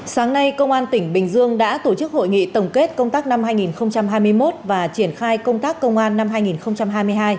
sáng nay công an tỉnh bình dương đã tổ chức hội nghị tổng kết công tác năm hai nghìn hai mươi một và triển khai công tác công an năm hai nghìn hai mươi hai